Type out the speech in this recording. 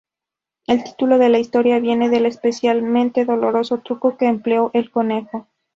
El título de la historia viene del especialmente doloroso truco que empleó el conejo.